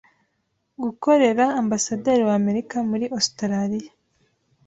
gukorera Ambasaderi wa Amerika muri Australia